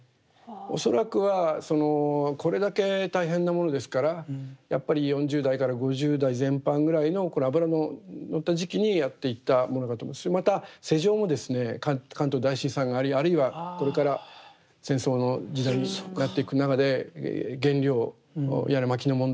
恐らくはこれだけ大変なものですからやっぱり４０代から５０代前半ぐらいの頃脂の乗った時期にやっていったものだと思いますしまた世情もですね関東大震災がありあるいはこれから戦争の時代になっていく中で原料やら薪の問題